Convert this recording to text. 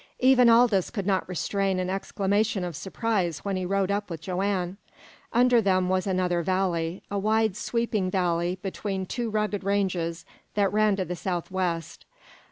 Even Aldous could not restrain an exclamation of surprise when he rode up with Joanne. Under them was another valley, a wide sweeping valley between two rugged ranges that ran to the southwest.